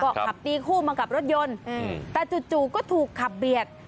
ก็ขับตีคู่มากับรถยนต์แต่จู่ก็ถูกขับเบียด